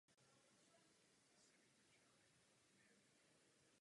Bohoslužby se zde konaly pětkrát ročně.